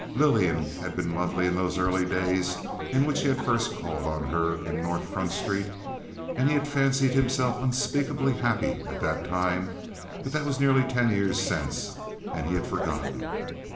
Lillian had been lovely in those early days in which he had first called on her in North Front Street, and he had fancied himself unspeakably happy at that time; but that was nearly ten years since, and he had forgotten.